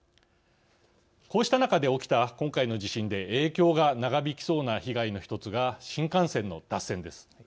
こうした中で起きた今回の地震で影響が長引きそうな被害の１つが新幹線の脱線です。